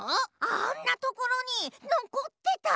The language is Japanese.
あんなところにのこってた！